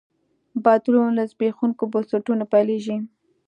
بدلون له زبېښونکو بنسټونو پیلېږي.